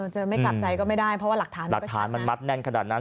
จะไม่กลับใจก็ไม่ได้เพราะว่าหลักฐานหลักฐานมันมัดแน่นขนาดนั้น